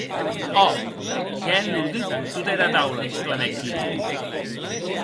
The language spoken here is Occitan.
Ò!, qu'è enlordit tota era taula, exclamèc Kitty.